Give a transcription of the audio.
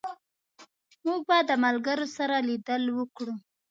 موږ به د ملګرو سره لیدل وکړو